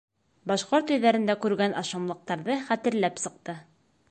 Башҡорт өйҙәрендә күргән ашамлыҡтарҙы хәтерләп сыҡты.